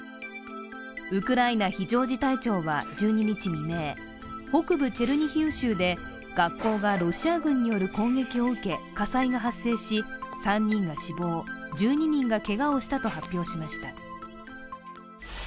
ウクライナ非常事態庁は１２日未明北部チェルニヒウ州で学校がロシア軍による攻撃を受け火災が発生し、３人が死亡、１２人がけがをしたと発表しました。